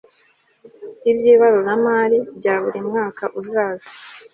iby ibaruramari bya burimwaka uzaza